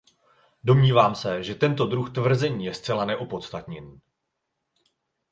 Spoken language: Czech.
Domnívám se, že tento druh tvrzení je zcela neopodstatněný.